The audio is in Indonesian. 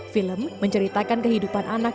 film menceritakan kehidupan anak